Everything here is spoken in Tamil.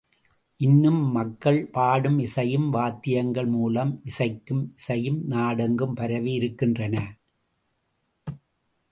இன்னும் மக்கள் பாடும் இசையும், வாத்தியங்கள் மூலம் இசைக்கும் இசையும், நாடெங்கும் பரவி இருக்கின்றன.